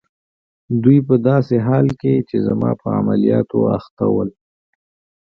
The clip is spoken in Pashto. دوی په داسې حال کې چي زما په عملیاتو اخته ول.